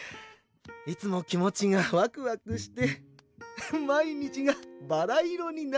いつも気持ちがワクワクして毎日がバラ色になること。